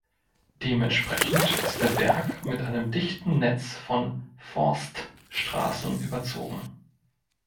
Dementsprechend ist der Berg mit einem dichten Netz von Forststraßen überzogen.